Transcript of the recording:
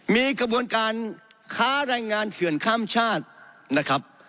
มีกระบวนการค้าแรงงานเถื่อนข้ามชาตินะครับ